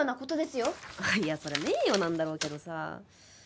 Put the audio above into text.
いやそりゃ名誉なんだろうけどさ。